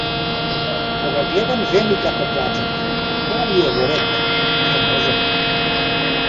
Кога глеам жени како плачат - тоа ми е во ред, ние можеме.